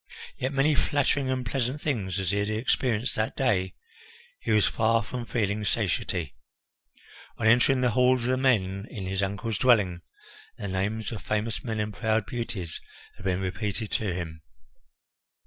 Yet many flattering and pleasant things as he had experienced that day, he was far from feeling satiety. On entering the hall of the men in his uncle's dwelling, the names of famous men and proud beauties had been repeated to him.